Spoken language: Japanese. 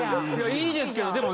いいですけどでも。